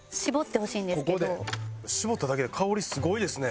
搾っただけで香りすごいですね。